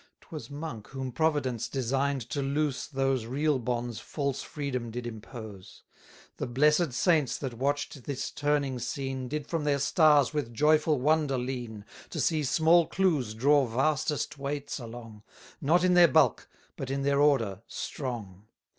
150 'Twas Monk whom Providence design'd to loose Those real bonds false freedom did impose. The blessed saints that watch'd this turning scene, Did from their stars with joyful wonder lean, To see small clues draw vastest weights along, Not in their bulk, but in their order, strong.